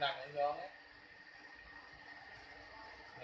หนังอันยองเนี่ย